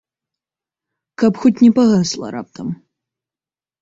Каб хоць не пагасла раптам.